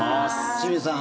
清水さん